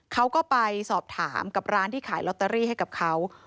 เขาก็ไปสอบถามกับร้านที่ขายลอตเตอรี่ให้กับเขา